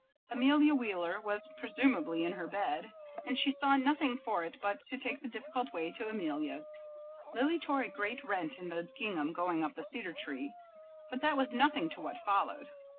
Amelia Wheeler was presumably in her bed, and she saw nothing for it but to take the difficult way to Amelia's. Lily tore a great rent in the gingham going up the cedar tree, but that was nothing to what followed.